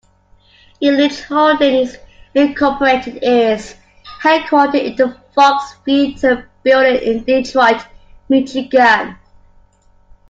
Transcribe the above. Ilitch Holdings, Incorporated is headquartered in the Fox Theatre Building in Detroit, Michigan.